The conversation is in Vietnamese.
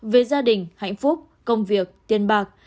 về gia đình hạnh phúc công việc tiền bạc